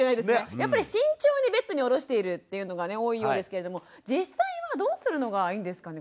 やっぱり慎重にベッドにおろしているというのが多いようですけれども実際はどうするのがいいんですかね？